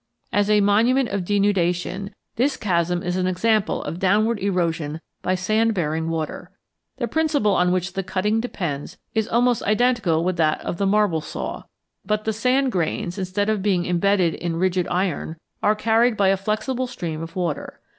"As a monument of denudation, this chasm is an example of downward erosion by sand bearing water. The principle on which the cutting depends is almost identical with that of the marble saw, but the sand grains, instead of being embedded in rigid iron, are carried by a flexible stream of water.